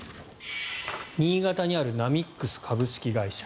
新潟にあるナミックス株式会社。